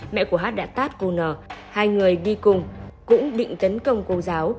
mẹ của h đã tát cô n hai người đi cùng cũng định tấn công cô giáo